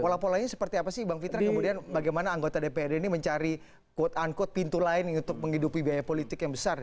pola polanya seperti apa sih bang fitra kemudian bagaimana anggota dprd ini mencari quote unquote pintu lain untuk menghidupi biaya politik yang besar